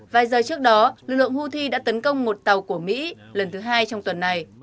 vài giờ trước đó lực lượng houthi đã tấn công một tàu của mỹ lần thứ hai trong tuần này